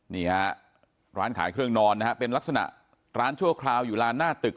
นี่ฮะร้านขายเครื่องนอนนะฮะเป็นลักษณะร้านชั่วคราวอยู่ร้านหน้าตึก